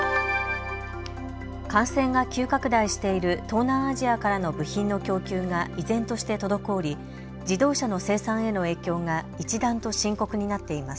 感染が急拡大している東南アジアからの部品の供給が依然として滞り自動車の生産への影響が一段と深刻になっています。